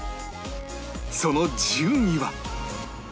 その順位は？